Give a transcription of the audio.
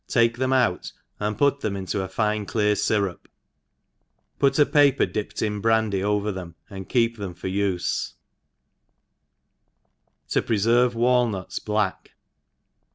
Cake them out and put thejin into a fine clear fyrup ; pot paper dipped in hrandy over thtm, and keep them for ufe« To prtfervt Walnuts black.